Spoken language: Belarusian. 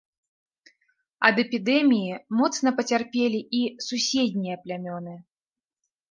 Ад эпідэміі моцна пацярпелі і суседнія плямёны.